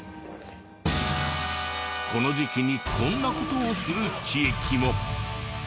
この時期にこんな事をする地域も。